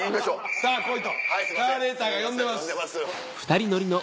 「さぁ来い」とカーレーターが呼んでます。